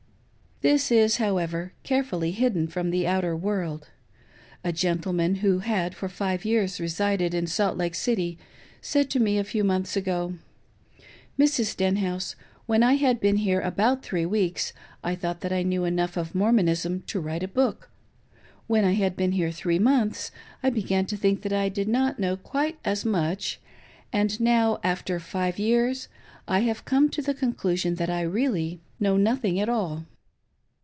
This is, however, carefully hidden from the outer world. A gentleman, who had for five years resided in Salt Lake City, said to me a few months ago :" Mrs. Stenhouse, when I had been here about three weeks I thought that I knew enough of Mormonism to write a book; when I had been here three months I began to think that I did not know quite as much; and now, after five years, I have come to the conclusion that I "our" second wife begins housekeeping. 509 really know nothing at all.